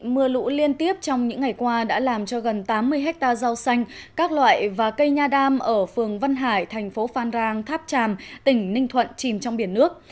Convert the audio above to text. mưa lũ liên tiếp trong những ngày qua đã làm cho gần tám mươi hectare rau xanh các loại và cây nha đam ở phường văn hải thành phố phan rang tháp tràm tỉnh ninh thuận chìm trong biển nước